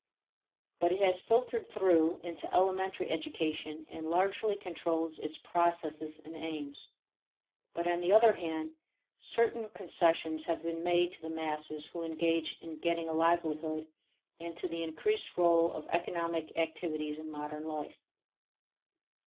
But is has filtered through into elementary education and largely controls its processes and aims. But, on the other hand, certain concessions have been made to the masses who must engage in getting a livelihood and to the increased role of economic activities in modern life.